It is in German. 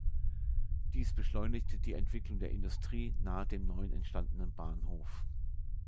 Dies beschleunigte die Entwicklung der Industrie nahe dem neu entstandenen Bahnhof.